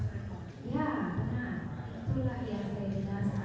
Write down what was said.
supaya habis teriak juga ada